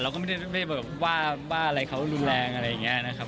เราก็ไม่ได้แบบว่าอะไรเขารุนแรงอะไรอย่างนี้นะครับ